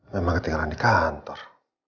memang ketinggalan di kantor